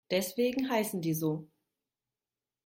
Deswegen heißen die so.